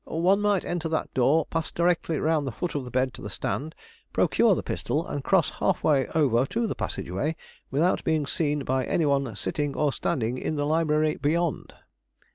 "One might enter that door, pass directly round the foot of the bed to the stand, procure the pistol, and cross half way over to the passageway, without being seen by any one sitting or standing in the library beyond."